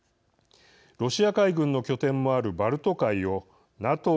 ロシア海軍の拠点もあるバルト海をＮＡＴＯ